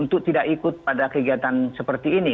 untuk tidak ikut pada kegiatan seperti ini